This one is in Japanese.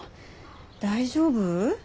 大丈夫？